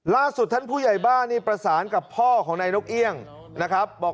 ล่าสุดท่านผู้ใหญ่บ้านนี่ประสานกับพ่อของนายนกเอี่ยงนะครับบอก